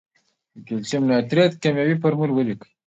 د کلسیم نایتریت کیمیاوي فورمول ولیکئ.